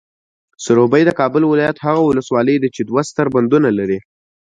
سروبي، د کابل ولایت هغه ولسوالۍ ده چې دوه ستر بندونه لري.